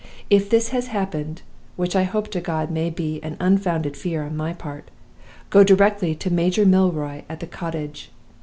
If this has happened (which I hope to God may be an unfounded fear on my part), go directly to Major Milroy at the cottage.